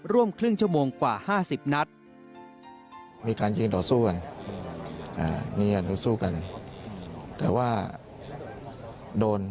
ร่วมครึ่งชั่วโมงกว่า๕๐นัด